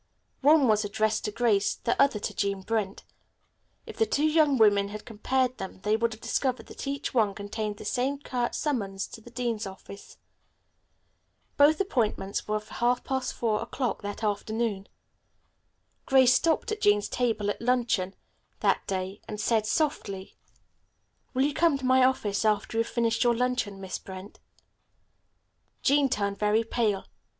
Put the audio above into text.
One was addressed to Grace, the other to Jean Brent. If the two young women had compared them they would have discovered that each one contained the same curt summons to the dean's office. Both appointments were for half past four o'clock that afternoon. Grace stopped at Jean's table at luncheon that day and said softly. "Will you come to my office after you have finished your luncheon, Miss Brent?" Jean turned very pale.